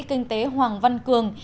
kinh tế hoàng văn cường